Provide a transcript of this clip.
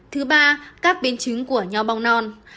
thứ ba các biến chứng của nho bong non